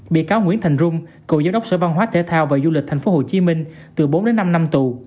bị cáo nguyễn thành trung cựu giám đốc sở văn hóa thể thao và du lịch tp hcm từ bốn đến năm năm tù